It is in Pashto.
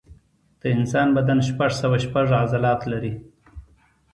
د انسان بدن شپږ سوه شپږ عضلات لري.